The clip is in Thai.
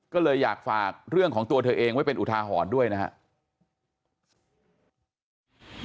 ก็เลยอยากฝากเรื่องของตัวเธอเองไว้เป็นอุทาหรณ์ด้วยนะครับ